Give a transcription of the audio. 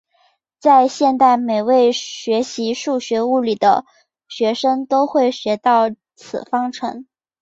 在现代每位学习数学物理的学生都会学到此方程式。